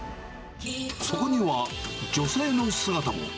そこには、女性の姿も。